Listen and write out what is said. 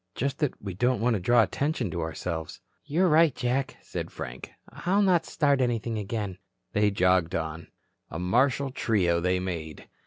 "Just that we don't want to draw attention to ourselves." "You're right, Jack," said Frank. "I'll not start anything again." They jogged on. A martial trio they made.